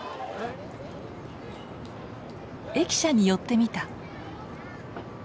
駅舎に寄ってみた。